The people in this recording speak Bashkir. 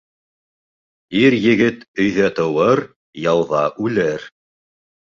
Ир-егет өйҙә тыуыр, яуҙа үлер.